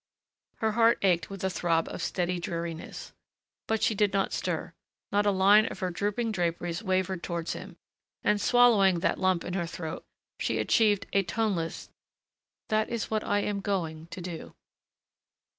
Her heart ached with a throb of steady dreariness. But she did not stir. Not a line of her drooping draperies wavered towards him. And swallowing that lump in her throat, she achieved a toneless, "That is what I am going to do."